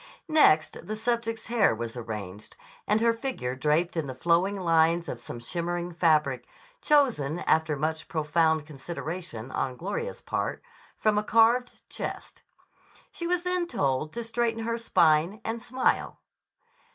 Next the subject's hair was arranged, and her figure draped in the flowing lines of some shimmering fabric, chosen, after much profound consideration on Gloria's part, from a carved chest. She was then told to straighten her spine, and smile.